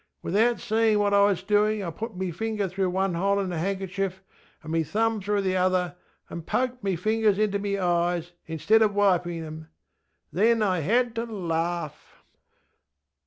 Without seeinŌĆÖ what I was doinŌĆÖ I put me finger through one hole in the hanŌĆÖkerchief anŌĆÖ me thumb through the other, and poked me fingers into me eyes, instead of wipinŌĆÖ them. Then I had to laugh.